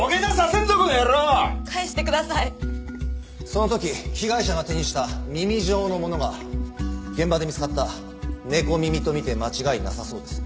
その時被害者が手にした耳状のものが現場で見つかった猫耳とみて間違いなさそうです。